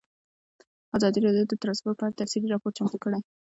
ازادي راډیو د ترانسپورټ په اړه تفصیلي راپور چمتو کړی.